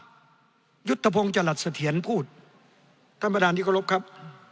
นี่ยุทธพงศ์จรัสเถียนพูดท่านประดานดิกรบครับ